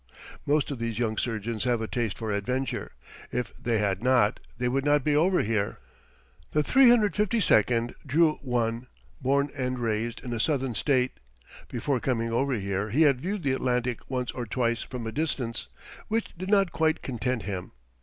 Most of these young surgeons have a taste for adventure. If they had not, they would not be over here. The 352 drew one, born and raised in a Southern State. Before coming over here he had viewed the Atlantic once or twice from a distance, which did not quite content him.